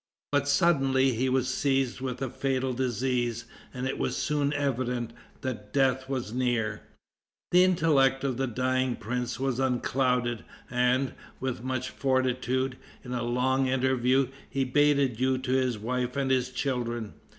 But suddenly he was seized with a fatal disease, and it was soon evident that death was near. The intellect of the dying prince was unclouded, and, with much fortitude, in a long interview, he bade adieu to his wife and his children.